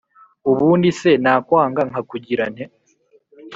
ubundi se nakwanga nkakugira nte